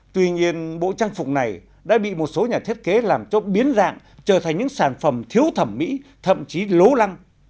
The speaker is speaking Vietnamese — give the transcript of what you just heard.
tuy nhiên bộ trang phục này đã bị một số nhà thiết kế làm cho biến dạng trở thành những sản phẩm thiếu thẩm mỹ thậm chí lố lăng